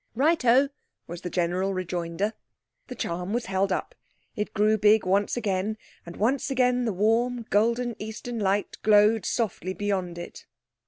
"Righto!" was the general rejoinder. The charm was held up. It grew big once again, and once again the warm golden Eastern light glowed softly beyond it.